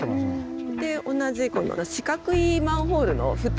で同じこの四角いマンホールのフタ。